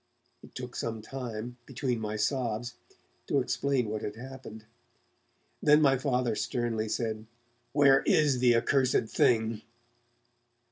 It took some time, between my sobs, to explain what had happened. Then my Father sternly said: 'Where is the accursed thing?'